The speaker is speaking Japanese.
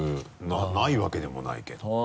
ないわけでもないけど。